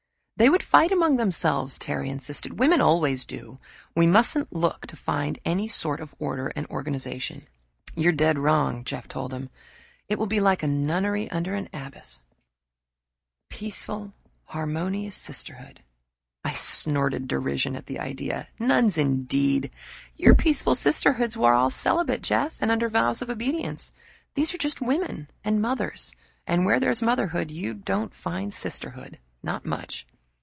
"They would fight among themselves," Terry insisted. "Women always do. We mustn't look to find any sort of order and organization." "You're dead wrong," Jeff told him. "It will be like a nunnery under an abbess a peaceful, harmonious sisterhood." I snorted derision at this idea. "Nuns, indeed! Your peaceful sisterhoods were all celibate, Jeff, and under vows of obedience. These are just women, and mothers, and where there's motherhood you don't find sisterhood not much."